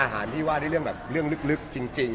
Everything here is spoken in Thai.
รายการอาหารที่หวาดิเรื่องลึกจริง